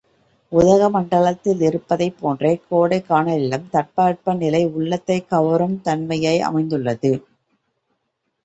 உதகமண்டலத்திலிருப்பதைப் போன்றே கோடைக் கானலிலும் தட்ப வெப்ப நிலை உள்ளத்தைக் கவரும் தன்மையதாய் அமைந்துள்ளது.